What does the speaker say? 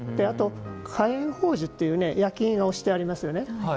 火焔宝珠っていう焼き印が押してありますよね。